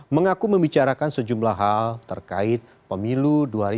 mengaku membicarakan sejumlah hal terkait pemilu dua ribu dua puluh